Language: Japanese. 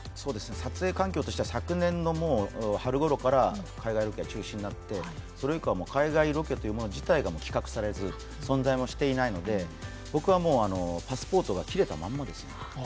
撮影環境としては昨年の春ごろから、海外ロケは中止になって、それ以降は海外ロケというもの自体が企画されず、存在もしていないので僕はパスポートが切れたままですね。